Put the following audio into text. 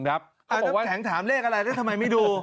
น้ำแข็งถามเลขอะไรแล้วทำไมไม่ดู